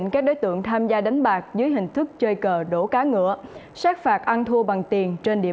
các đối tượng tham gia đánh bạc dưới hình thức chơi cờ đổ cá ngựa sát phạt ăn thua bằng tiền trên địa